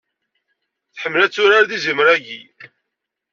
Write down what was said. Tḥemmel ad turar d yizimer-ayi.